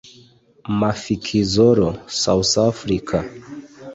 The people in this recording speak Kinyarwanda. Mafikizolo (South Africa)